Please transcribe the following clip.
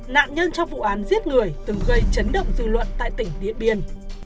nạn nhân trong vụ án giết người từng gây chấn động dư luận tại tỉnh điện biên